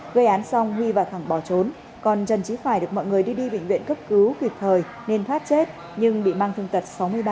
gây án xong huy và thẳng bỏ trốn còn trần trí khải được mọi người đi đi bệnh viện cấp cứu kịp thời nên thoát chết nhưng bị mang thương tật sáu mươi ba